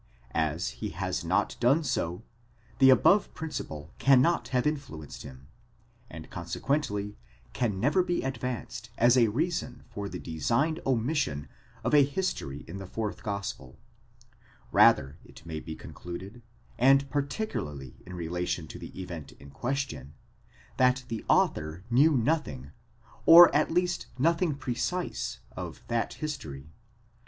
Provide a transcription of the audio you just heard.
As he has not done so, the above principle 'cannot have influenced him, and consequently can never be advanced as a reason for the designed omission of a history in the fourth gospel; rather it may be concluded, and particularly in relation to the event in question, that the author knew nothing, or at least nothing precise, of that history.